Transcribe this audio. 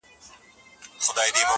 که مېرمني یې شپې ستړي په دُعا کړې-